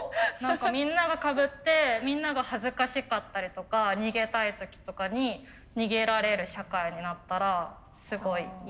みんながかぶってみんなが恥ずかしかったりとか逃げたい時とかに逃げられる社会になったらすごいいい。